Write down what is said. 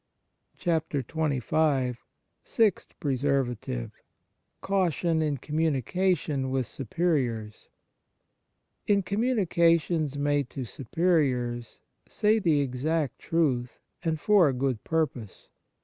59 XXV SIXTH PRESERVATIVE Caution in communication with superiors IN communications made to Superiors say the exact truth, and for a good purpose.